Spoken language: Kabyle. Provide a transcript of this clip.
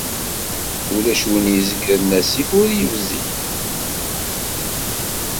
Ulac win izegren asif ur yebzig.